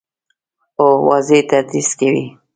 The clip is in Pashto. هو، واضح تدریس کوي